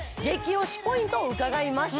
おしポイントを伺いました